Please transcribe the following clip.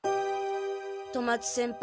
富松先輩